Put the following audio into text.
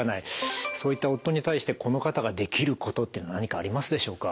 そういった夫に対してこの方ができることって何かありますでしょうか？